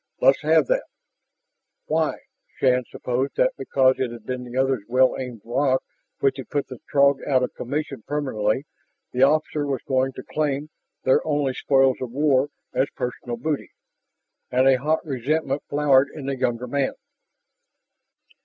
"Let's have that " "Why?" Shann supposed that because it had been the other's well aimed rock which had put the Throg out of commission permanently, the officer was going to claim their only spoils of war as personal booty, and a hot resentment flowered in the younger man.